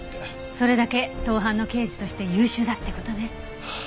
それだけ盗犯の刑事として優秀だって事ね。